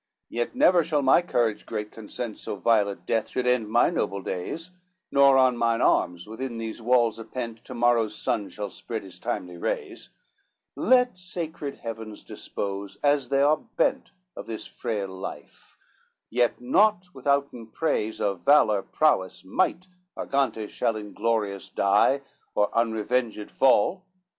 V "Yet never shall my courage great consent So vile a death should end my noble days, Nor on mine arms within these walls ypent To morrow's sun shall spread his timely rays: Let sacred Heavens dispose as they are bent Of this frail life, yet not withouten praise Of valor, prowess, might, Argantes shall Inglorious die, or unrevenged fall.